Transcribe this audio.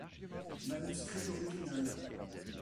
Manuscrit original.